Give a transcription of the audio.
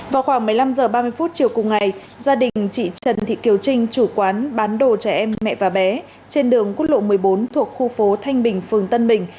vào khoảng một mươi năm h ba mươi chiều cùng ngày gia đình chị trần thị kiều trinh chủ quán bán đồ trẻ em mẹ và bé trên đường quốc lộ một mươi bốn thuộc khu phố thanh bình phường tân bình